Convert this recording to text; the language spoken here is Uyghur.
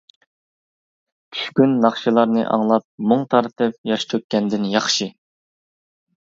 چۈشكۈن ناخشىلارنى ئاڭلاپ. مۇڭ تارتىپ ياش تۆككەندىن ياخشى.